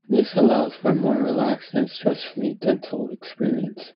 This allows for a more relaxed and stress-free dental experience.